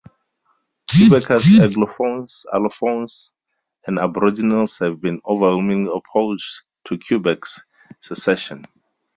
Quebecer anglophones, allophones and Aboriginals have been overwhelmingly opposed to Quebec's secession.